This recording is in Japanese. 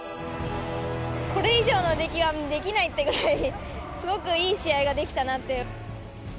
これ以上の出来はできないっていうぐらい、すごくいい試合ができたなっていう。